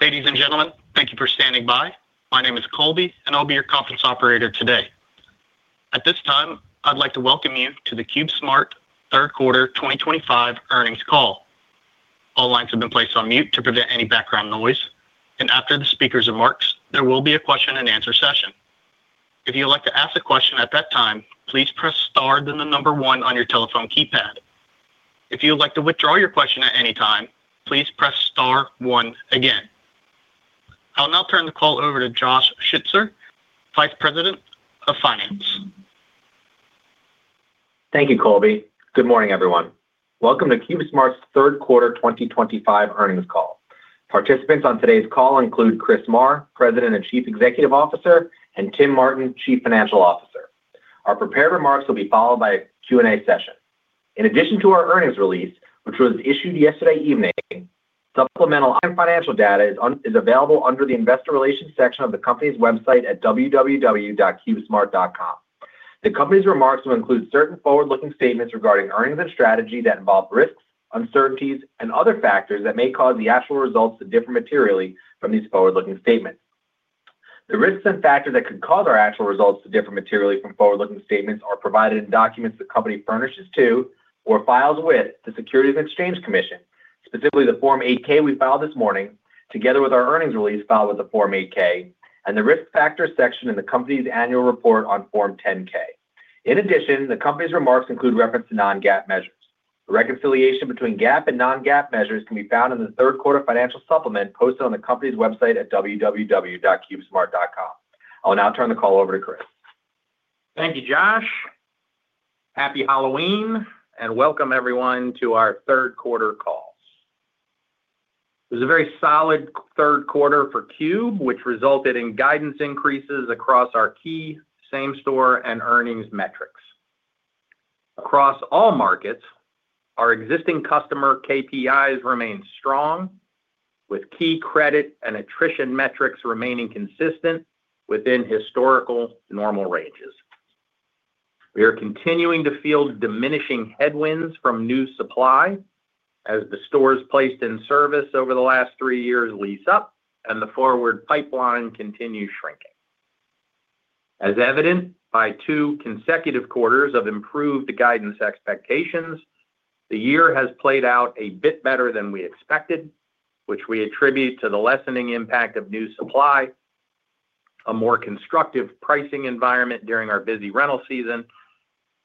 Ladies and gentlemen, thank you for standing by. My name is Colby, and I'll be your conference operator today. At this time, I'd like to welcome you to the CubeSmart Third Quarter 2025 Earnings Call. All lines have been placed on mute to prevent any background noise, and after the speakers are marked, there will be a question-and-answer session. If you would like to ask a question at that time, please press star then the number one on your telephone keypad. If you would like to withdraw your question at any time, please press star one again. I'll now turn the call over to Josh Schutzer, Vice President of Finance. Thank you, Colby. Good morning, everyone. Welcome to CubeSmart's third quarter 2025 earnings call. Participants on today's call include Chris Marr, President and Chief Executive Officer, and Tim Martin, Chief Financial Officer. Our prepared remarks will be followed by a Q&A session. In addition to our earnings release, which was issued yesterday evening, supplemental and financial data is available under the Investor Relations section of the company's website at www.cubesmart.com. The company's remarks will include certain forward-looking statements regarding earnings and strategy that involve risks, uncertainties, and other factors that may cause the actual results to differ materially from these forward-looking statements. The risks and factors that could cause our actual results to differ materially from forward-looking statements are provided in documents the company furnishes to or files with the Securities and Exchange Commission, specifically the Form 8-K we filed this morning, together with our earnings release filed with the Form 8-K, and the risk factors section in the company's annual report on Form 10-K. In addition, the company's remarks include reference to non-GAAP measures. The reconciliation between GAAP and non-GAAP measures can be found in the third quarter financial supplement posted on the company's website at www.cubesmart.com. I'll now turn the call over to Chris. Thank you, Josh. Happy Halloween, and welcome, everyone, to our third quarter call. It was a very solid third quarter for Cube, which resulted in guidance increases across our key, same-store, and earnings metrics. Across all markets, our existing customer KPIs remain strong, with key credit and attrition metrics remaining consistent within historical normal ranges. We are continuing to feel diminishing headwinds from new supply as the stores placed in service over the last three years lease up, and the forward pipeline continues shrinking. As evident by two consecutive quarters of improved guidance expectations, the year has played out a bit better than we expected, which we attribute to the lessening impact of new supply, a more constructive pricing environment during our busy rental season,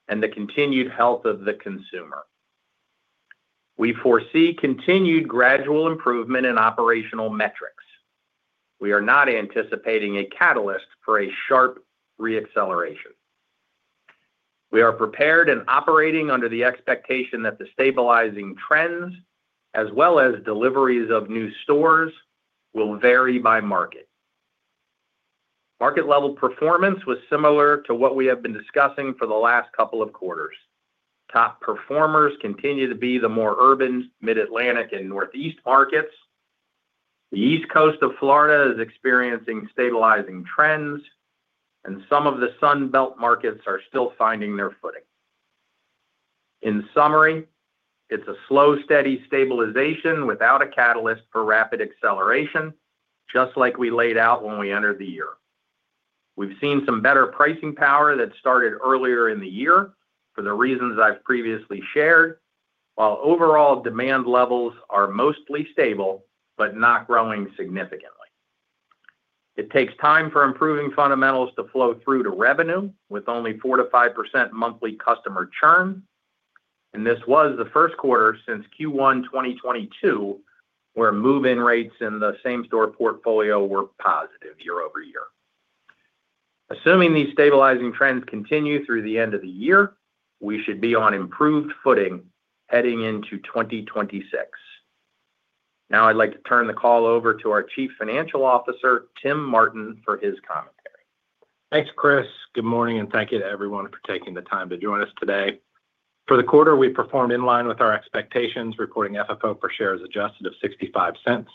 and the continued health of the consumer. We foresee continued gradual improvement in operational metrics. We are not anticipating a catalyst for a sharp reacceleration. We are prepared and operating under the expectation that the stabilizing trends, as well as deliveries of new stores, will vary by market. Market-level performance was similar to what we have been discussing for the last couple of quarters. Top performers continue to be the more urban, Mid-Atlantic, and Northeast markets. The East Coast of Florida is experiencing stabilizing trends, and some of the Sun Belt markets are still finding their footing. In summary, it's a slow, steady stabilization without a catalyst for rapid acceleration, just like we laid out when we entered the year. We've seen some better pricing power that started earlier in the year for the reasons I've previously shared, while overall demand levels are mostly stable but not growing significantly. It takes time for improving fundamentals to flow through to revenue, with only 4% to 5% monthly customer churn, and this was the first quarter since Q1 2022 where move-in rates in the same-store portfolio were positive year over year. Assuming these stabilizing trends continue through the end of the year, we should be on improved footing heading into 2026. Now, I'd like to turn the call over to our Chief Financial Officer, Tim Martin, for his commentary. Thanks, Chris. Good morning, and thank you to everyone for taking the time to join us today. For the quarter, we performed in line with our expectations, reporting FFO per share as adjusted of $0.65.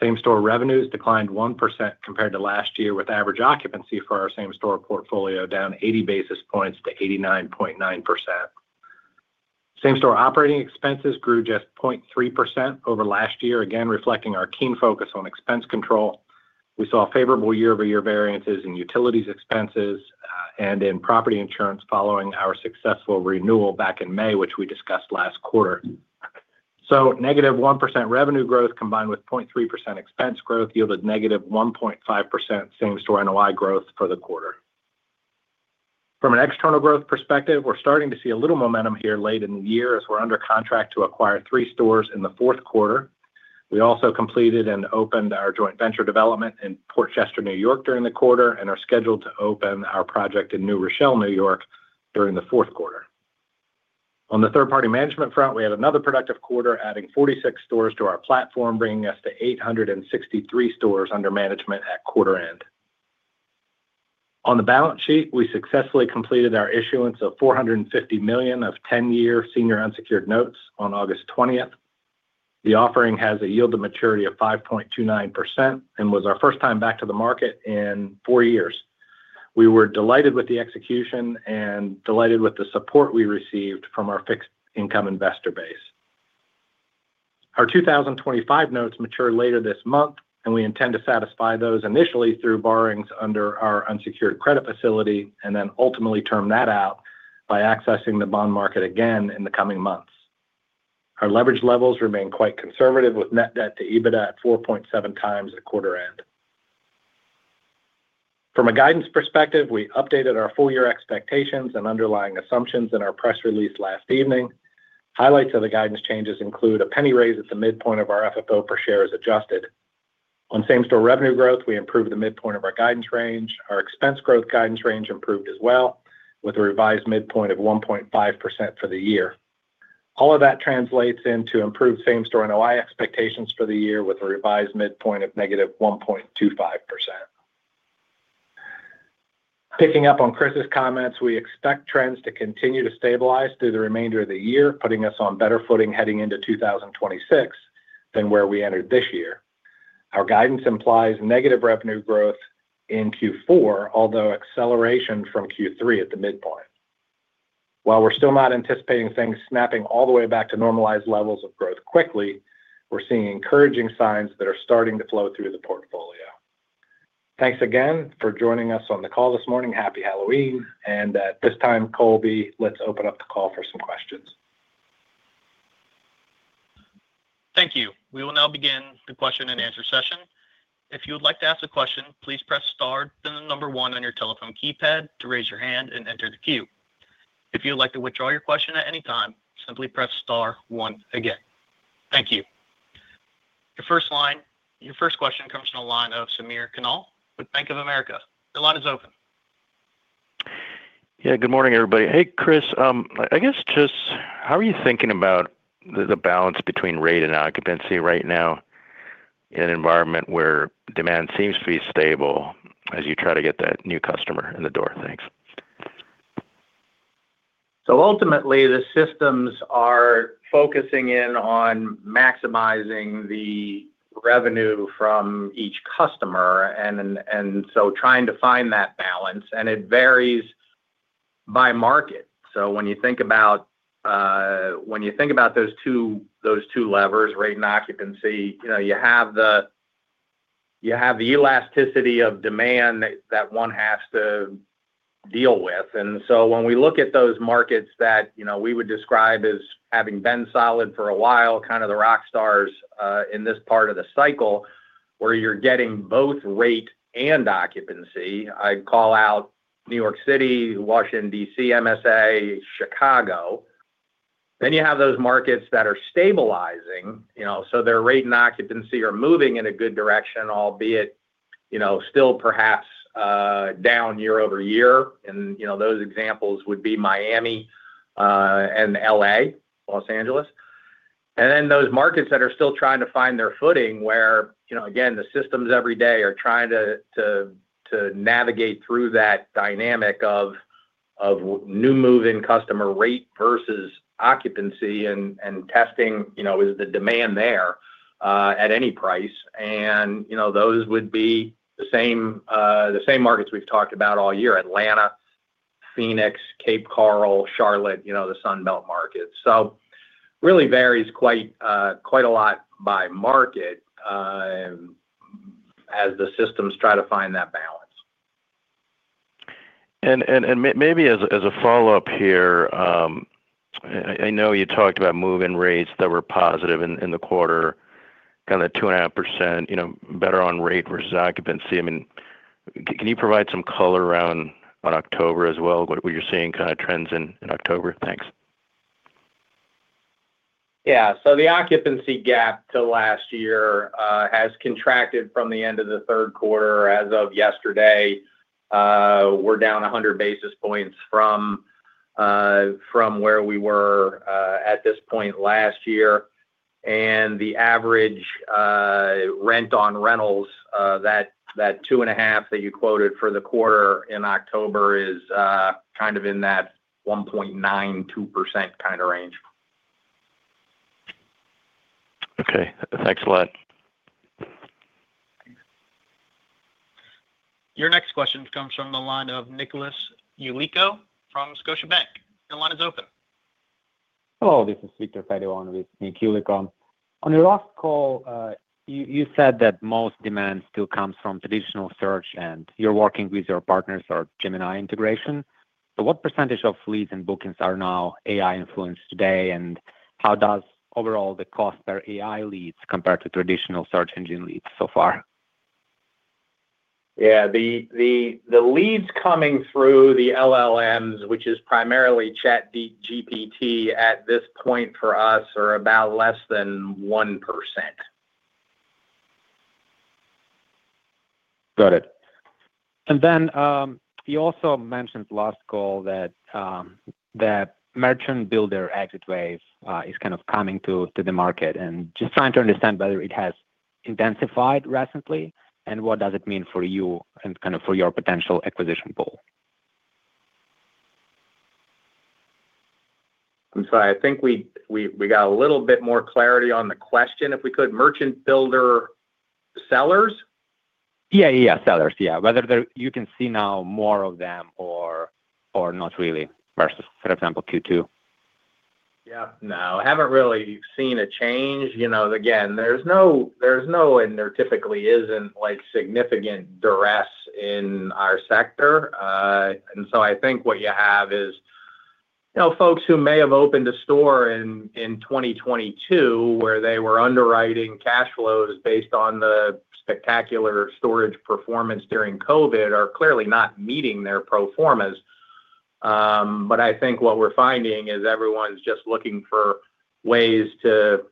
Same-store revenues declined 1% compared to last year, with average occupancy for our same-store portfolio down 80 basis points to 89.9%. Same-store operating expenses grew just 0.3% over last year, again reflecting our keen focus on expense control. We saw favorable year-over-year variances in utilities expenses and in property insurance following our successful renewal back in May, which we discussed last quarter. Negative 1% revenue growth combined with 0.3% expense growth yielded negative 1.5% same-store NOI growth for the quarter. From an external growth perspective, we're starting to see a little momentum here late in the year as we're under contract to acquire three stores in the fourth quarter. We also completed and opened our joint venture development in Port Chester, New York, during the quarter and are scheduled to open our project in New Rochelle, New York, during the fourth quarter. On the third-party management front, we had another productive quarter, adding 46 stores to our platform, bringing us to 863 stores under management at quarter end. On the balance sheet, we successfully completed our issuance of $450 million of 10-year senior unsecured notes on August 20. The offering has a yield to maturity of 5.29% and was our first time back to the market in four years. We were delighted with the execution and delighted with the support we received from our fixed-income investor base. Our 2025 notes mature later this month, and we intend to satisfy those initially through borrowings under our unsecured credit facility and then ultimately term that out by accessing the bond market again in the coming months. Our leverage levels remain quite conservative, with net debt to EBITDA at 4.7x at quarter end. From a guidance perspective, we updated our full-year expectations and underlying assumptions in our press release last evening. Highlights of the guidance changes include a penny raise at the midpoint of our FFO per share as adjusted. On same-store revenue growth, we improved the midpoint of our guidance range. Our expense growth guidance range improved as well, with a revised midpoint of 1.5% for the year. All of that translates into improved same-store NOI expectations for the year, with a revised midpoint of negative 1.25%. Picking up on Chris's comments, we expect trends to continue to stabilize through the remainder of the year, putting us on better footing heading into 2026 than where we entered this year. Our guidance implies negative revenue growth in Q4, although acceleration from Q3 at the midpoint. While we're still not anticipating things snapping all the way back to normalized levels of growth quickly, we're seeing encouraging signs that are starting to flow through the portfolio. Thanks again for joining us on the call this morning. Happy Halloween. At this time, Colby, let's open up the call for some questions. Thank you. We will now begin the question-and-answer session. If you would like to ask a question, please press star then the number one on your telephone keypad to raise your hand and enter the queue. If you would like to withdraw your question at any time, simply press star one again. Thank you. Your first question comes from the line of Samir Khanal with Bank of America. The line is open. Good morning, everybody. Hey, Chris. How are you thinking about the balance between rate and occupancy right now in an environment where demand seems to be stable as you try to get that new customer in the door? Thanks. Ultimately, the systems are focusing in on maximizing the revenue from each customer and trying to find that balance. It varies by market. When you think about those two levers, rate and occupancy, you have the elasticity of demand that one has to deal with. When we look at those markets that we would describe as having been solid for a while, kind of the rock stars in this part of the cycle where you're getting both rate and occupancy, I'd call out New York City, Washington, D.C. MSA, Chicago. You have those markets that are stabilizing, so their rate and occupancy are moving in a good direction, albeit still perhaps down year over year. Those examples would be Miami and LA Los Angeles. Those markets that are still trying to find their footing, where again, the systems every day are trying to navigate through that dynamic of new move-in customer rate versus occupancy and testing is the demand there at any price. Those would be the same markets we've talked about all year: Atlanta, Phoenix, Cape Coral, Charlotte, the Sun Belt market. It really varies quite a lot by market as the systems try to find that balance. Maybe as a follow-up here, I know you talked about move-in rates that were positive in the quarter, kind of 2.5%, better on rate versus occupancy. Can you provide some color around October as well, what you're seeing, kind of trends in October? Thanks. Yeah. The occupancy gap to last year has contracted from the end of the third quarter. As of yesterday, we're down 100 basis points from where we were at this point last year. The average rent-on-rentals, that 2.5% that you quoted for the quarter in October, is kind of in that 1.92% kind of range. Okay, thanks a lot. Your next question comes from the line of Nicholas Yulico from Scotiabank. The line is open. Hello. This is Victor Fede on with Nihilicom. On your last call, you said that most demand still comes from traditional search, and you're working with your partners for Gemini integration. What percentage of leads and bookings are now AI-influenced today, and how does overall the cost per AI leads compare to traditional search engine leads so far? Yeah, the leads coming through the LLMs, which is primarily ChatGPT at this point for us, are about less than 1%. Got it. You also mentioned last call that the merchant builder exit wave is kind of coming to the market. I am just trying to understand whether it has intensified recently and what does it mean for you and for your potential acquisition pool. I'm sorry. I think we got a little bit more clarity on the question, if we could. Merchant builder sellers? Yeah, sellers. Whether you can see now more of them or not really versus, for example, Q2. Yeah. No, I haven't really seen a change. Again, there's no, and there typically isn't significant duress in our sector. I think what you have is folks who may have opened a store in 2022 where they were underwriting cash flows based on the spectacular storage performance during COVID are clearly not meeting their pro formas. I think what we're finding is everyone's just looking for ways to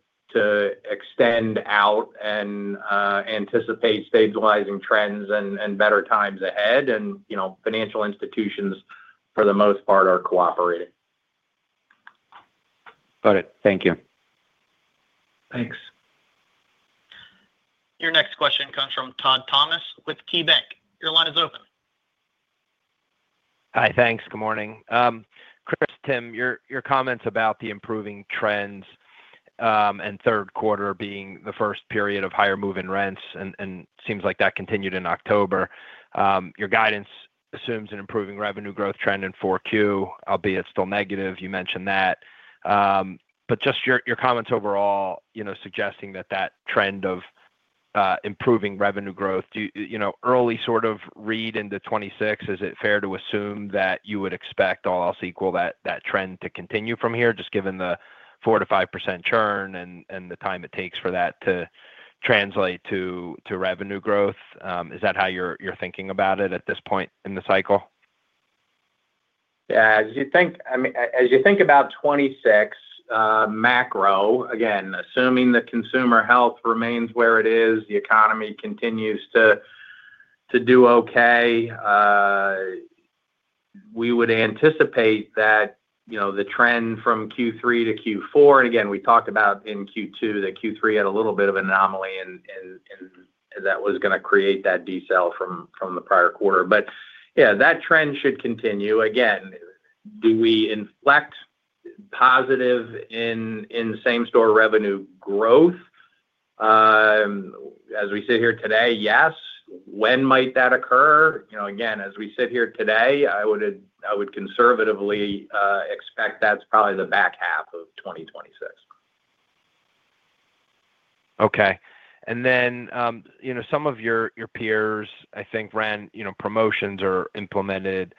extend out and anticipate stabilizing trends and better times ahead. Financial institutions, for the most part, are cooperating. Got it. Thank you. Thanks. Your next question comes from Todd Thomas with KeyBanc Capital Markets. Your line is open. Hi. Thanks. Good morning. Chris, Tim, your comments about the improving trends and third quarter being the first period of higher move-in rents, and it seems like that continued in October. Your guidance assumes an improving revenue growth trend in fourth quarter, albeit still negative. You mentioned that. Your comments overall suggesting that trend of improving revenue growth, early sort of read into 2026, is it fair to assume that you would expect all else equal that trend to continue from here, just given the 4% to 5% churn and the time it takes for that to translate to revenue growth? Is that how you're thinking about it at this point in the cycle? Yeah. As you think, I mean, as you think about 2026. Macro, again, assuming that consumer health remains where it is, the economy continues to do okay. We would anticipate that the trend from Q3 to Q4, and again, we talked about in Q2 that Q3 had a little bit of an anomaly and that was going to create that decel from the prior quarter. Yeah, that trend should continue. Again, do we inflect positive in same-store revenue growth? As we sit here today? Yes. When might that occur? Again, as we sit here today, I would conservatively expect that's probably the back half of 2026. Okay. Some of your peers, I think, ran promotions or implemented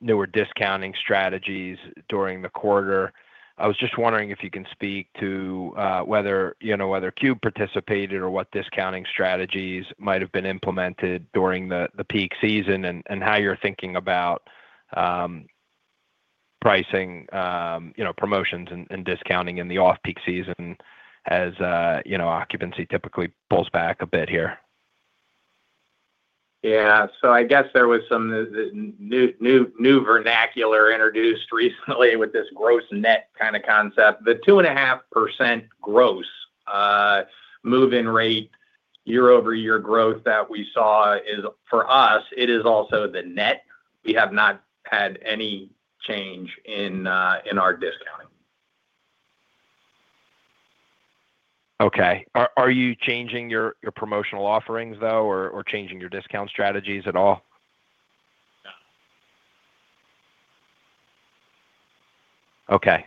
newer discounting strategies during the quarter. I was just wondering if you can speak to whether Cube participated or what discounting strategies might have been implemented during the peak season and how you're thinking about pricing, promotions, and discounting in the off-peak season as occupancy typically pulls back a bit here. Yeah. I guess there was some new vernacular introduced recently with this gross net kind of concept. The 2.5% gross move-in rate year-over-year growth that we saw is, for us, it is also the net. We have not had any change in our discounting. Okay. Are you changing your promotional offerings, though, or changing your discount strategies at all? No. Okay.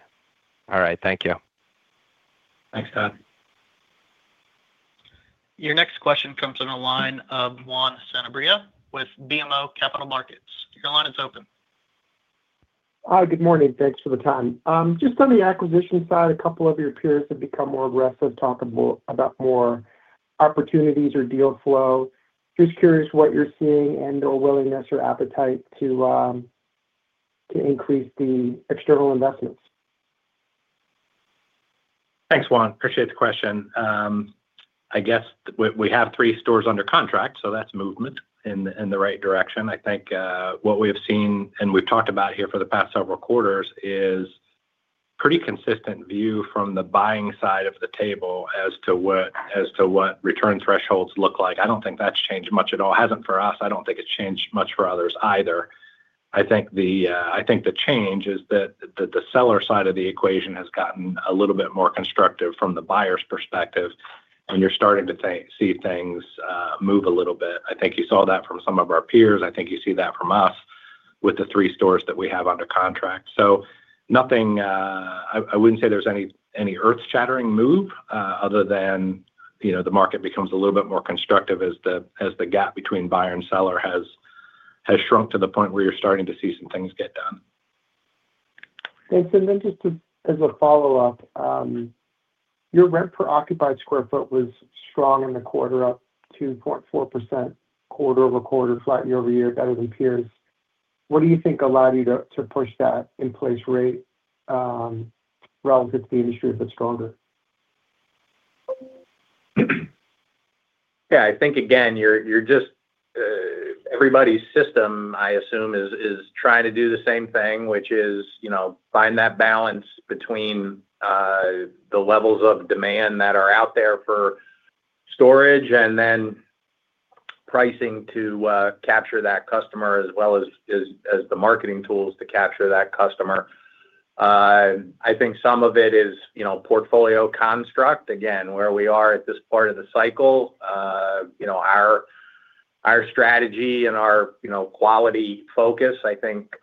All right. Thank you. Thanks, Todd. Your next question comes from the line of Juan Sanabria with BMO Capital Markets. Your line is open. Hi. Good morning. Thanks for the time. Just on the acquisition side, a couple of your peers have become more aggressive, talking about more opportunities or deal flow. Just curious what you're seeing and/or willingness or appetite to increase the external investments. Thanks, Juan. Appreciate the question. I guess we have three stores under contract, so that's movement in the right direction. I think what we have seen and we've talked about here for the past several quarters is a pretty consistent view from the buying side of the table as to what return thresholds look like. I don't think that's changed much at all. It hasn't for us. I don't think it's changed much for others either. I think the change is that the seller side of the equation has gotten a little bit more constructive from the buyer's perspective, and you're starting to see things move a little bit. I think you saw that from some of our peers. I think you see that from us with the three stores that we have under contract. I wouldn't say there's any earth-shattering move other than the market becomes a little bit more constructive as the gap between buyer and seller has shrunk to the point where you're starting to see some things get done. Just as a follow-up, your rent per occupied square foot was strong in the quarter, up 2.4% quarter-over-quarter, flat year over year, better than peers. What do you think allowed you to push that in place rate, relative to the industry a bit stronger? I think, again, everybody's system, I assume, is trying to do the same thing, which is find that balance between the levels of demand that are out there for storage and then pricing to capture that customer as well as the marketing tools to capture that customer. I think some of it is portfolio construct, again, where we are at this part of the cycle. Our strategy and our quality focus, I think,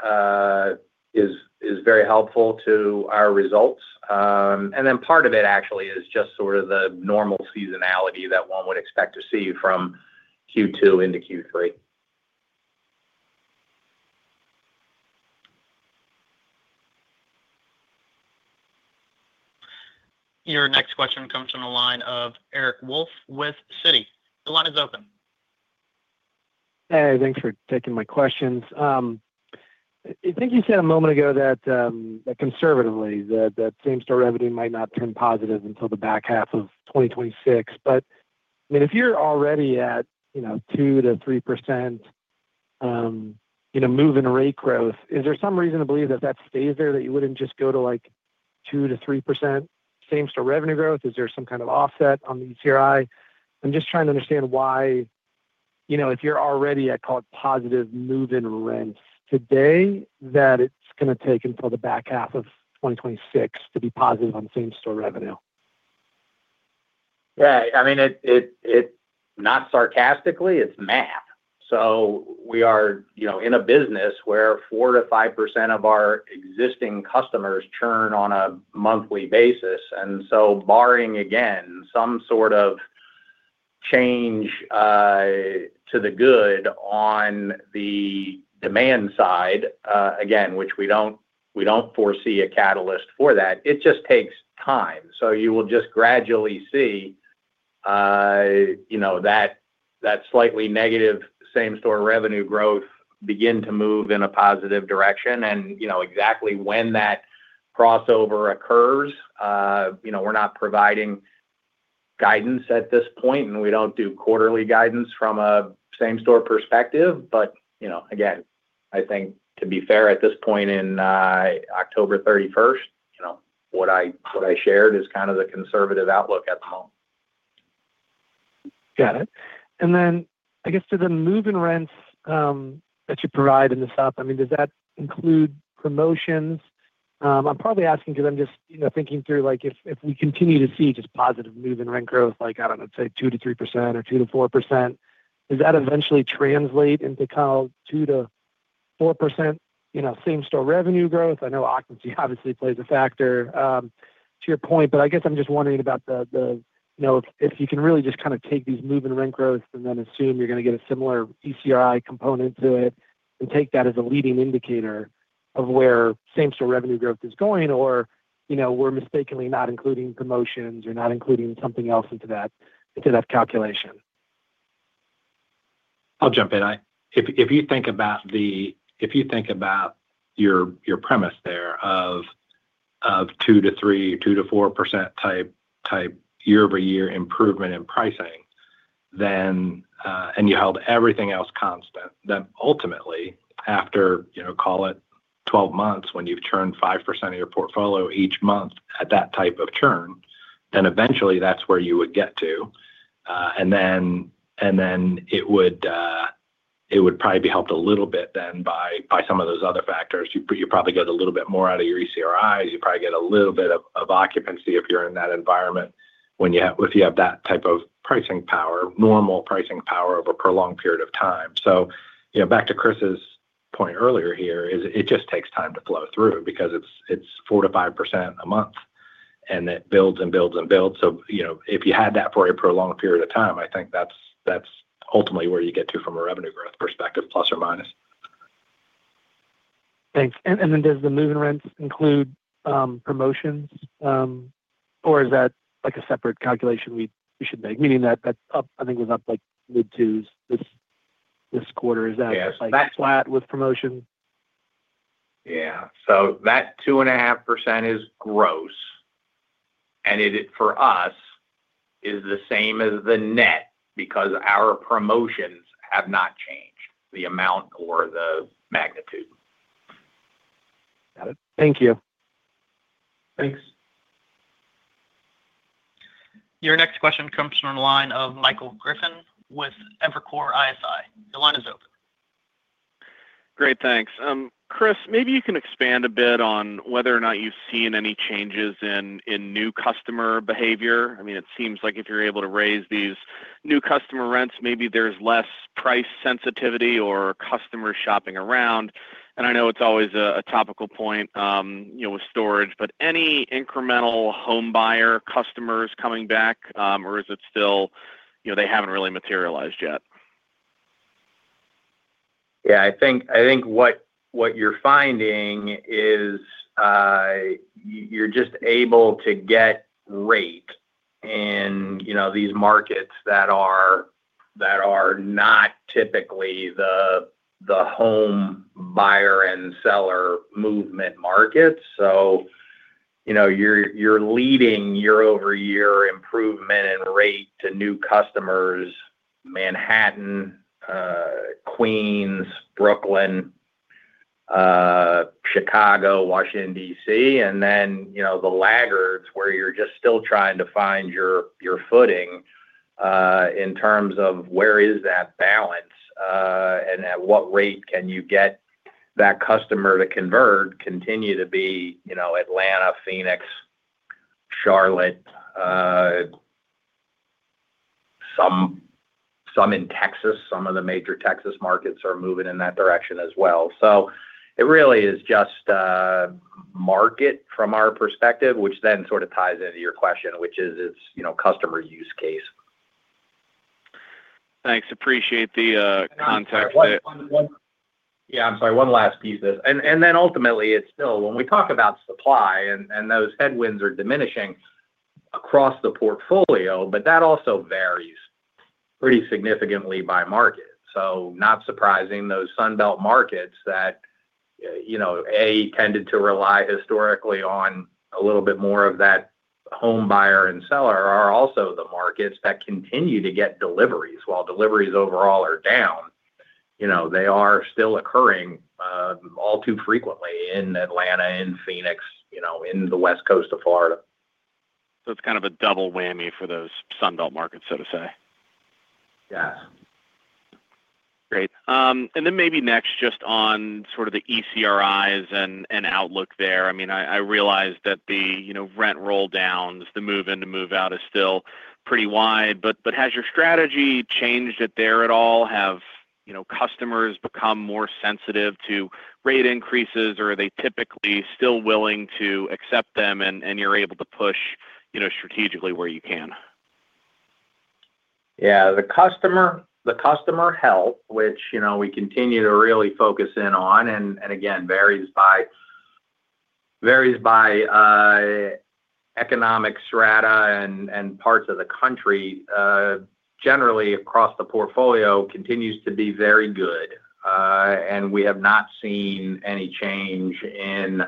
is very helpful to our results. Part of it actually is just sort of the normal seasonality that one would expect to see from Q2 into Q3. Your next question comes from the line of Eric Wolfe with Citi. The line is open. Hey, thanks for taking my questions. I think you said a moment ago that, conservatively, same-store revenue might not turn positive until the back half of 2026. If you're already at 2% to 3% move-in rate growth, is there some reason to believe that stays there, that you wouldn't just go to 2% to 3% same-store revenue growth? Is there some kind of offset on the ECRI? I'm just trying to understand why, if you're already at, call it, positive move-in rents today, it's going to take until the back half of 2026 to be positive on same-store revenue. Yeah, I mean, not sarcastically, it's math. We are in a business where 4% to 5% of our existing customers churn on a monthly basis. Barring, again, some sort of change to the good on the demand side, which we don't foresee a catalyst for, it just takes time. You will just gradually see that slightly negative same-store revenue growth begin to move in a positive direction. Exactly when that crossover occurs, we're not providing guidance at this point, and we don't do quarterly guidance from a same-store perspective. I think, to be fair, at this point on October 31, what I shared is kind of the conservative outlook at the moment. Got it. I guess to the move-in rents that you provide in the South, does that include promotions? I'm probably asking because I'm just thinking through if we continue to see just positive move-in rent growth, like, I don't know, say 2% to 3% or 2% to 4%, does that eventually translate into kind of 2% to 4% same-store revenue growth? I know occupancy obviously plays a factor, to your point, but I guess I'm just wondering about if you can really just kind of take these move-in rent growths and then assume you're going to get a similar ECRI component to it and take that as a leading indicator of where same-store revenue growth is going, or we're mistakenly not including promotions or not including something else into that calculation. I'll jump in. If you think about your premise there of 2% to 3%, 2% to 4% type year-over-year improvement in pricing, and you held everything else constant, then ultimately, after, call it 12 months when you've churned 5% of your portfolio each month at that type of churn, then eventually that's where you would get to. It would probably be helped a little bit then by some of those other factors. You probably get a little bit more out of your ECRIs. You probably get a little bit of occupancy if you're in that environment. If you have that type of pricing power, normal pricing power over a prolonged period of time. Back to Chris's point earlier here, it just takes time to flow through because it's 4% to 5% a month, and it builds and builds and builds. If you had that for a prolonged period of time, I think that's ultimately where you get to from a revenue growth perspective, plus or minus. Thanks. Does the move-in rents include promotions, or is that a separate calculation we should make? I think it was up like mid-2s this quarter. Is that flat with promotions? Yeah. That 2.5% is gross, and for us is the same as the net because our promotions have not changed, the amount or the magnitude. Got it. Thank you. Thanks. Your next question comes from the line of Michael Griffin with Evercore ISI. The line is open. Great. Thanks. Chris, maybe you can expand a bit on whether or not you've seen any changes in new customer behavior. I mean, it seems like if you're able to raise these new customer rents, maybe there's less price sensitivity or customers shopping around. I know it's always a topical point with storage, but any incremental home buyer customers coming back, or is it still they haven't really materialized yet? Yeah. I think what you're finding is you're just able to get rate in these markets that are not typically the home buyer and seller movement markets. You're leading year-over-year improvement in rate to new customers, Manhattan, Queens, Brooklyn, Chicago, Washington, DC. The laggards where you're just still trying to find your footing in terms of where is that balance and at what rate can you get that customer to convert continue to be Atlanta, Phoenix, Charlotte, some in Texas. Some of the major Texas markets are moving in that direction as well. It really is just market from our perspective, which then sort of ties into your question, which is its customer use case. Thanks. Appreciate the context there. I'm sorry. One last piece of this. Ultimately, it's still when we talk about supply and those headwinds are diminishing across the portfolio, but that also varies pretty significantly by market. Not surprising, those Sun Belt markets that, A, tended to rely historically on a little bit more of that home buyer and seller are also the markets that continue to get deliveries. While deliveries overall are down, they are still occurring all too frequently in Atlanta, in Phoenix, in the West Coast of Florida. It is kind of a double whammy for those Sun Belt markets, so to say. Yes. Great. Maybe next, just on sort of the ECRIs and outlook there. I realize that the rent roll-downs, the move-in, the move-out is still pretty wide. Has your strategy changed there at all? Have customers become more sensitive to rate increases, or are they typically still willing to accept them, and you're able to push strategically where you can? Yeah. The customer health, which we continue to really focus in on, and again, varies by economic strata and parts of the country, generally across the portfolio, continues to be very good. We have not seen any change in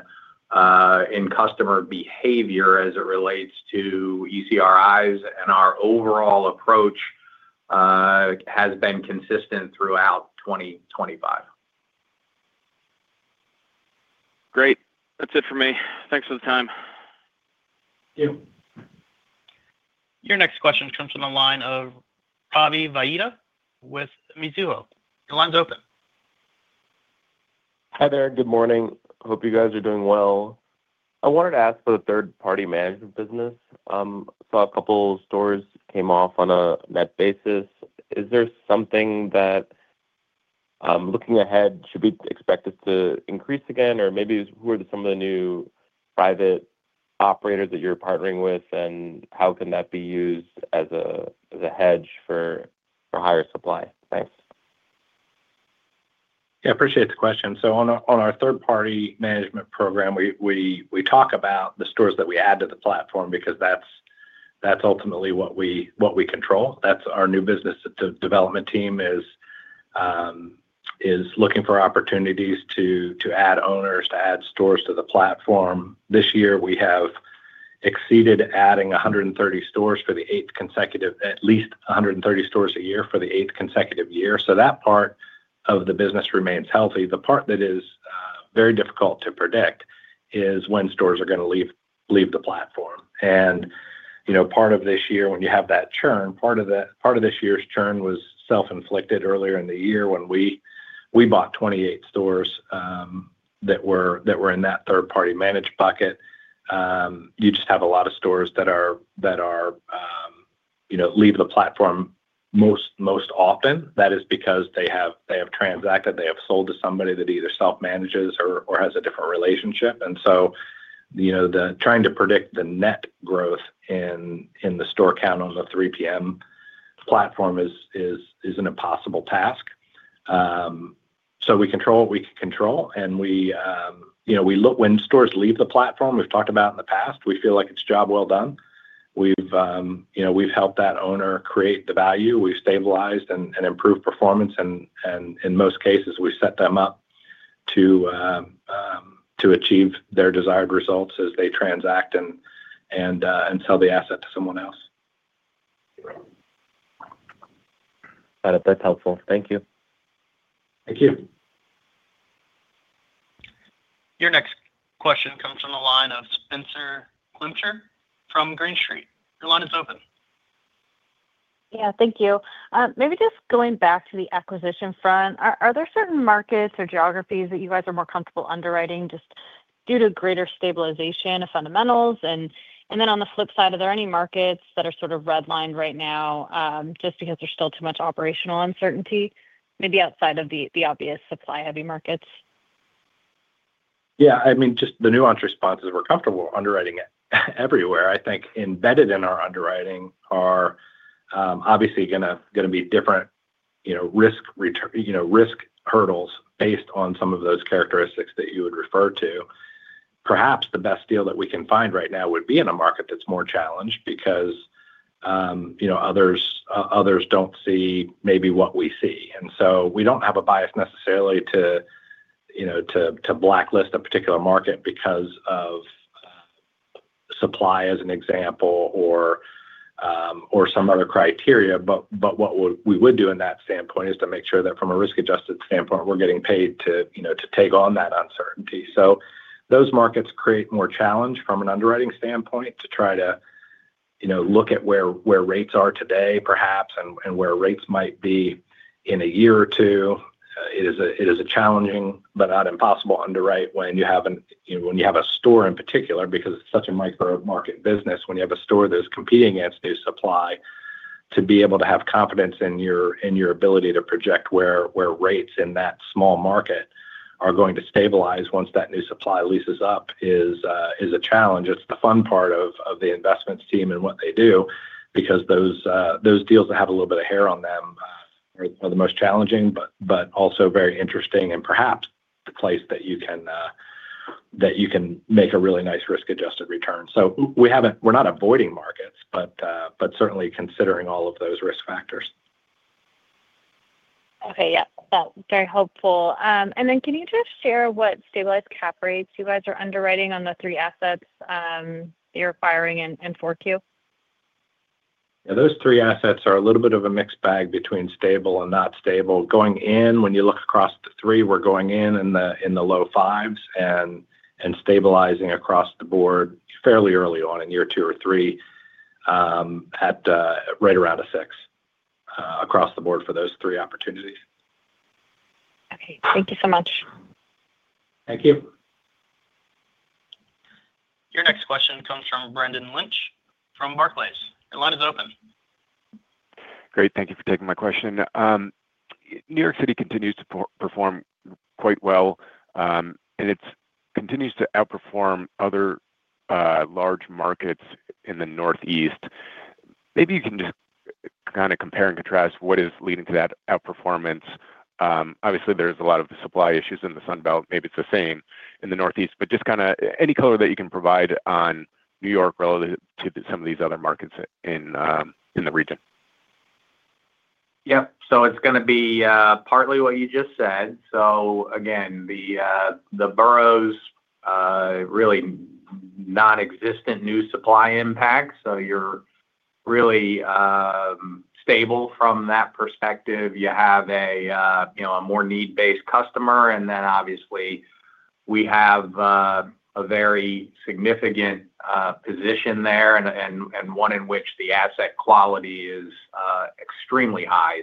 customer behavior as it relates to ECRIs, and our overall approach has been consistent throughout 2025. Great. That's it for me. Thanks for the time. Thank you. Your next question comes from the line of Ravi Vaidya with Mizuho. The line's open. Hi there. Good morning. Hope you guys are doing well. I wanted to ask for the third-party management platform. I saw a couple of stores came off on a net basis. Is there something that, looking ahead, should be expected to increase again, or maybe who are some of the new private operators that you're partnering with, and how can that be used as a hedge for higher supply? Thanks. Yeah. I appreciate the question. On our third-party management platform, we talk about the stores that we add to the platform because that's ultimately what we control. Our new business development team is looking for opportunities to add owners, to add stores to the platform. This year, we have exceeded adding 130 stores for at least the eighth consecutive year. That part of the business remains healthy. The part that is very difficult to predict is when stores are going to leave the platform. Part of this year's churn was self-inflicted earlier in the year when we bought 28 stores that were in that third-party managed bucket. You just have a lot of stores that are leaving the platform. Most often, that is because they have transacted. They have sold to somebody that either self-manages or has a different relationship. Trying to predict the net growth in the store count on the third-party management platform is an impossible task. We control what we can control. When stores leave the platform, we've talked about in the past, we feel like it's a job well done. We've helped that owner create the value. We've stabilized and improved performance. In most cases, we set them up to achieve their desired results as they transact and sell the asset to someone else. Got it. That's helpful. Thank you. Thank you. Your next question comes from the line of Spenser Glimcher from Green Street. The line is open. Thank you. Maybe just going back to the acquisition front, are there certain markets or geographies that you guys are more comfortable underwriting just due to greater stabilization of fundamentals? On the flip side, are there any markets that are sort of redlined right now just because there's still too much operational uncertainty, maybe outside of the obvious supply-heavy markets? Yeah. I mean, just the nuanced responses, we're comfortable underwriting it everywhere. I think embedded in our underwriting are obviously going to be different risk hurdles based on some of those characteristics that you would refer to. Perhaps the best deal that we can find right now would be in a market that's more challenged because others don't see maybe what we see. We don't have a bias necessarily to blacklist a particular market because of supply as an example or some other criteria. What we would do in that standpoint is to make sure that from a risk-adjusted standpoint, we're getting paid to take on that uncertainty. Those markets create more challenge from an underwriting standpoint to try to look at where rates are today, perhaps, and where rates might be in a year or two. It is a challenging but not impossible underwrite when you have a store in particular because it's such a micro-market business. When you have a store that is competing against new supply, to be able to have confidence in your ability to project where rates in that small market are going to stabilize once that new supply leases up is a challenge. It's the fun part of the investments team and what they do because those deals that have a little bit of hair on them are the most challenging but also very interesting and perhaps the place that you can make a really nice risk-adjusted return. We're not avoiding markets, but certainly considering all of those risk factors. Okay. That's very helpful. Can you just share what stabilized cap rates you guys are underwriting on the three assets you're acquiring in 4Q? Yeah. Those three assets are a little bit of a mixed bag between stable and not stable. Going in, when you look across the three, we're going in in the low fives and stabilizing across the board fairly early on in year two or three, right around a six across the board for those three opportunities. Okay, thank you so much. Thank you. Your next question comes from Brendan Lynch from Barclays. The line is open. Great. Thank you for taking my question. New York City continues to perform quite well, and it continues to outperform other large markets in the Northeast. Maybe you can just kind of compare and contrast what is leading to that outperformance. Obviously, there's a lot of supply issues in the Sun Belt. Maybe it's the same in the Northeast. Just kind of any color that you can provide on New York relative to some of these other markets in the region. Yep. It's going to be partly what you just said. The boroughs really have nonexistent new supply impact, so you're really stable from that perspective. You have a more need-based customer, and then obviously, we have a very significant position there and one in which the asset quality is extremely high.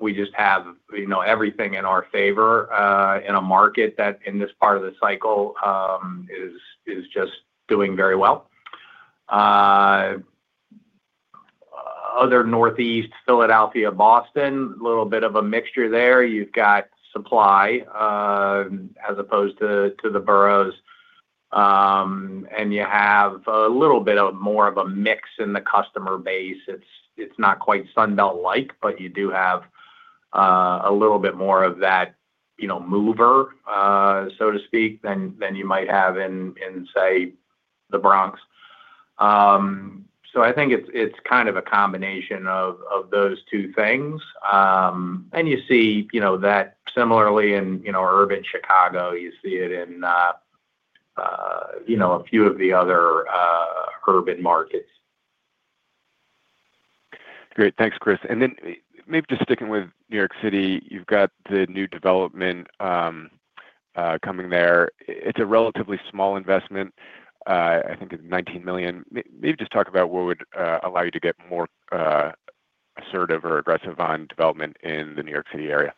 We just have everything in our favor in a market that in this part of the cycle is just doing very well. Other Northeast, Philadelphia, Boston, a little bit of a mixture there. You've got supply as opposed to the boroughs, and you have a little bit more of a mix in the customer base. It's not quite Sun Belt-like, but you do have a little bit more of that mover, so to speak, than you might have in, say, the Bronx. I think it's kind of a combination of those two things. You see that similarly in urban Chicago. You see it in a few of the other urban markets. Great. Thanks, Chris. Maybe just sticking with New York City, you've got the new development coming there. It's a relatively small investment. I think it's $19 million. Maybe just talk about what would allow you to get more assertive or aggressive on development in the New York City area.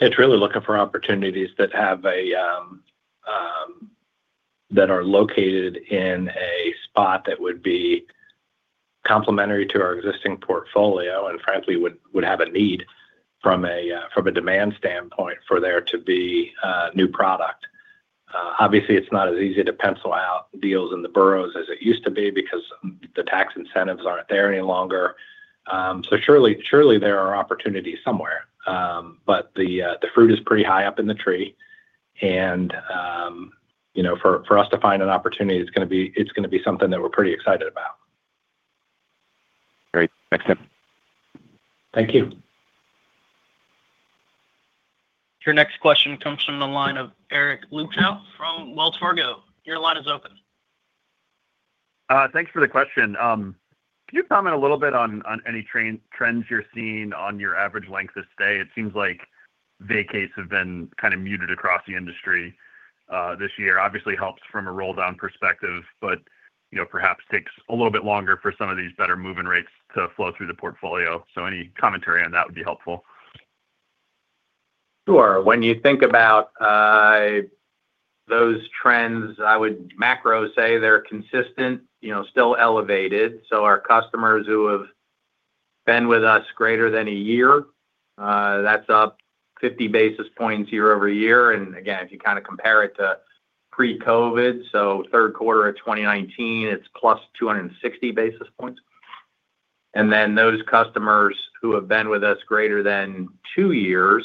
It's really looking for opportunities that are located in a spot that would be complementary to our existing portfolio and, frankly, would have a need from a demand standpoint for there to be new product. Obviously, it's not as easy to pencil out deals in the boroughs as it used to be because the tax incentives aren't there any longer. There are opportunities somewhere, but the fruit is pretty high up in the tree. For us to find an opportunity, it's going to be something that we're pretty excited about. Great. That's it. Thank you. Your next question comes from the line of Eric Luebchow from Wells Fargo. Your line is open. Thanks for the question. Can you comment a little bit on any trends you're seeing on your average length of stay? It seems like vacates have been kind of muted across the industry this year. Obviously, it helps from a roll-down perspective, but perhaps takes a little bit longer for some of these better moving rates to flow through the portfolio. Any commentary on that would be helpful. Sure. When you think about those trends, I would macro say they're consistent, still elevated. Our customers who have been with us greater than a year, that's up 50 basis points year over year. If you kind of compare it to pre-COVID, third quarter of 2019, it's plus 260 basis points. Customers who have been with us greater than two years,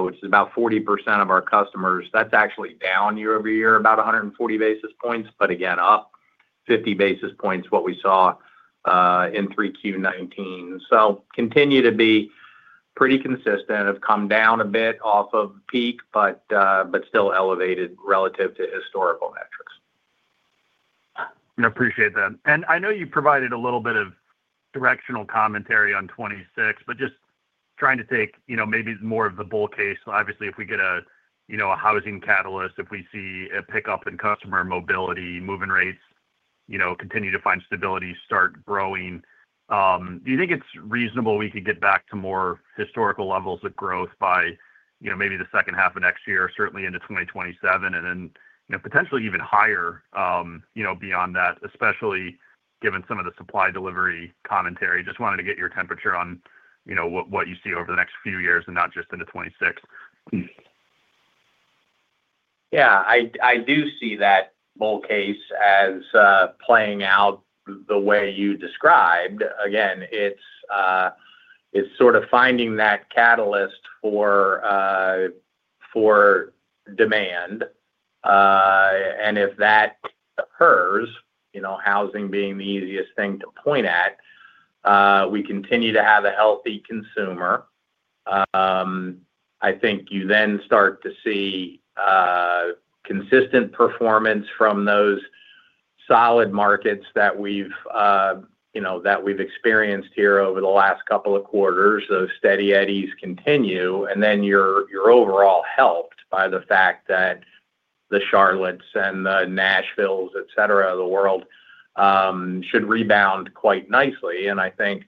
which is about 40% of our customers, that's actually down year over year, about 140 basis points, but up 50 basis points from what we saw in 3Q 2019. Continue to be pretty consistent. Have come down a bit off of peak, but still elevated relative to historical metrics. I appreciate that. I know you provided a little bit of directional commentary on 2026, but just trying to take maybe more of the bull case. Obviously, if we get a housing catalyst, if we see a pickup in customer mobility, moving rates continue to find stability, start growing. Do you think it's reasonable we could get back to more historical levels of growth by maybe the second half of next year, certainly into 2027, and then potentially even higher beyond that, especially given some of the supply delivery commentary? Just wanted to get your temperature on what you see over the next few years and not just into 2026. Yeah. I do see that bull case as playing out the way you described. It's sort of finding that catalyst for demand. If that occurs, housing being the easiest thing to point at, we continue to have a healthy consumer. I think you then start to see consistent performance from those solid markets that we've experienced here over the last couple of quarters. Those steady eddies continue, and you're overall helped by the fact that the Charlottes and the Nashville, etc., of the world should rebound quite nicely. I think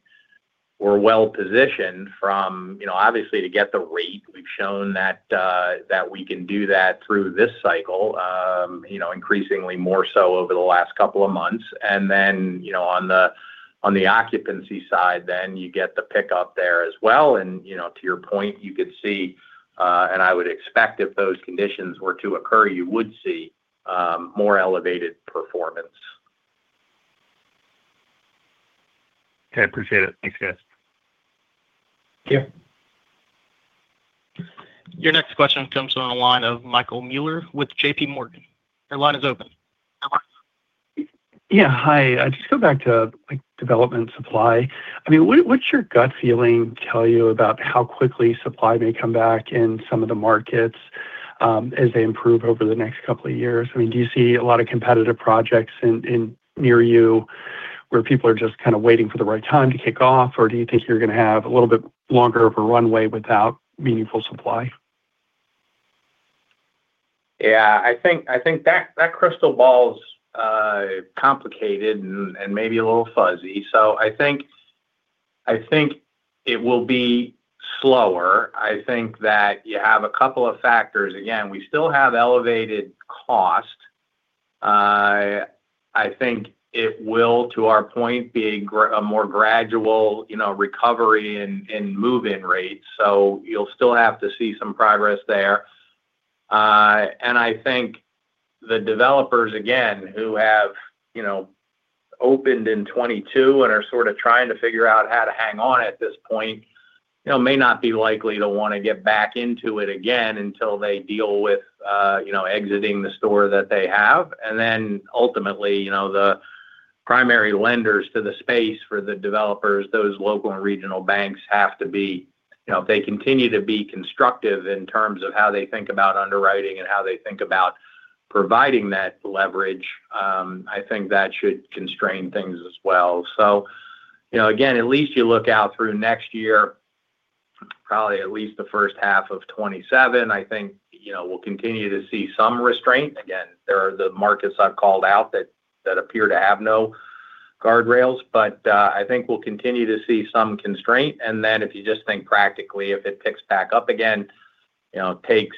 we're well positioned from obviously to get the rate. We've shown that we can do that through this cycle, increasingly more so over the last couple of months. On the occupancy side, then you get the pickup there as well. To your point, you could see, and I would expect if those conditions were to occur, you would see more elevated performance. Okay. I appreciate it. Thanks, guys. Thank you. Your next question comes from the line of Michael Mueller with JPMorgan. Your line is open. Yeah. Hi. I just go back to development supply. I mean, what's your gut feeling tell you about how quickly supply may come back in some of the markets as they improve over the next couple of years? I mean, do you see a lot of competitive projects near you where people are just kind of waiting for the right time to kick off, or do you think you're going to have a little bit longer of a runway without meaningful supply? I think that crystal ball is complicated and maybe a little fuzzy. I think it will be slower. I think that you have a couple of factors. Again, we still have elevated cost. I think it will, to our point, be a more gradual recovery in move-in rates. You'll still have to see some progress there. I think the developers, again, who have opened in 2022 and are sort of trying to figure out how to hang on at this point, may not be likely to want to get back into it again until they deal with exiting the store that they have. Ultimately, the primary lenders to the space for the developers, those local and regional banks, have to be, if they continue to be constructive in terms of how they think about underwriting and how they think about providing that leverage, I think that should constrain things as well. At least you look out through next year, probably at least the first half of 2027, I think we'll continue to see some restraint. There are the markets I've called out that appear to have no guardrails, but I think we'll continue to see some constraint. If you just think practically, if it picks back up again, it takes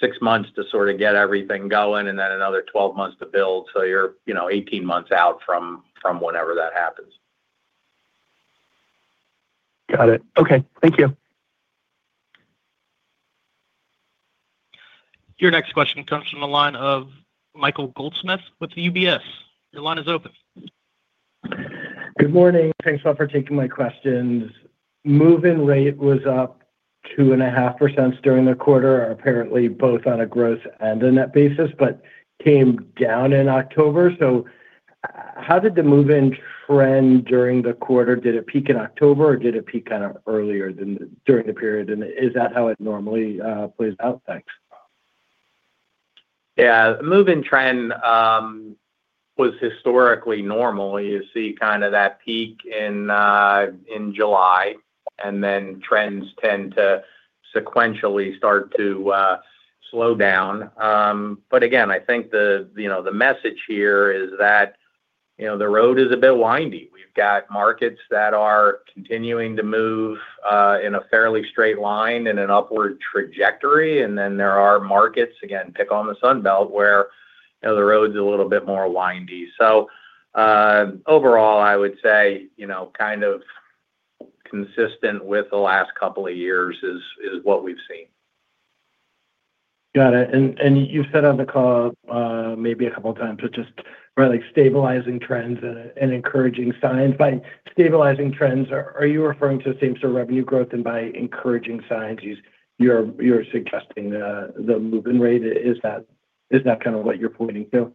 six months to sort of get everything going and then another 12 months to build. You're 18 months out from whenever that happens. Got it. Okay. Thank you. Your next question comes from the line of Michael Goldsmith with UBS. Your line is open. Good morning. Thanks a lot for taking my questions. Move-in rate was up 2.5% during the quarter, apparently both on a gross and a net basis, but came down in October. How did the move-in trend during the quarter? Did it peak in October, or did it peak kind of earlier during the period? Is that how it normally plays out? Thanks. Yeah. The move-in trend was historically normal. You see kind of that peak in July, and then trends tend to sequentially start to slow down. Again, I think the message here is that the road is a bit windy. We've got markets that are continuing to move in a fairly straight line in an upward trajectory. There are markets, again, pick on the Sun Belt, where the road's a little bit more windy. Overall, I would say kind of consistent with the last couple of years is what we've seen. Got it. You've said on the call maybe a couple of times, just really stabilizing trends and encouraging signs. By stabilizing trends, are you referring to same-store revenue growth, and by encouraging signs, you're suggesting the move-in rate? Is that kind of what you're pointing to?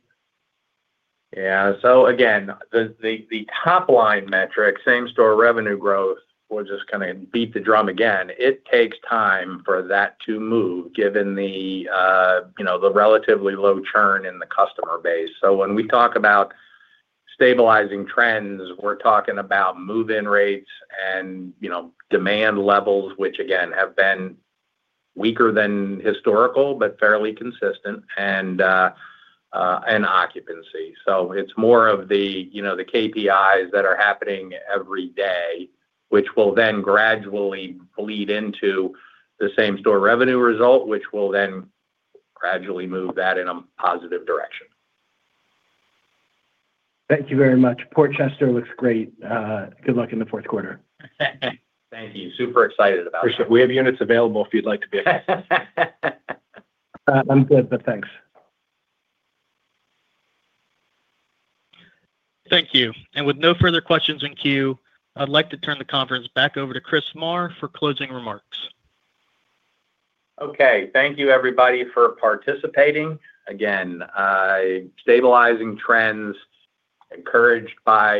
Yeah. The top-line metric, same-store revenue growth, we'll just kind of beat the drum again. It takes time for that to move given the relatively low churn in the customer base. When we talk about stabilizing trends, we're talking about move-in rates and demand levels, which have been weaker than historical but fairly consistent, and occupancy. It's more of the KPIs that are happening every day, which will then gradually bleed into the same-store revenue result, which will then gradually move that in a positive direction. Thank you very much. Port Chester looks great. Good luck in the fourth quarter. Thank you. Super excited about that. Appreciate it. We have units available if you'd like to be a guest. I'm good, thanks. Thank you. With no further questions in queue, I'd like to turn the conference back over to Chris Marr for closing remarks. Okay. Thank you, everybody, for participating. Stabilizing trends, encouraged by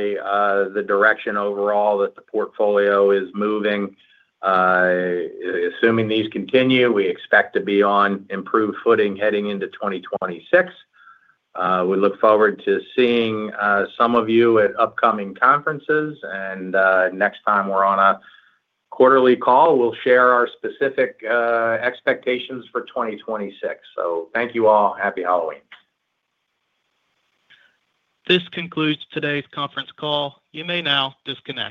the direction overall that the portfolio is moving. Assuming these continue, we expect to be on improved footing heading into 2026. We look forward to seeing some of you at upcoming conferences. Next time we're on a quarterly call, we'll share our specific expectations for 2026. Thank you all. Happy Halloween. This concludes today's conference call. You may now disconnect.